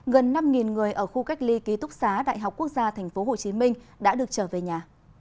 gần năm người ở khu cách ly ký túc xá đại học quốc gia tp hcm đã được trở về nhà